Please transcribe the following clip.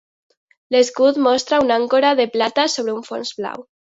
L'escut mostra una àncora de plata sobre un fons blau.